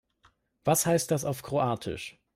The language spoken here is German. Was heißt das auf Kroatisch?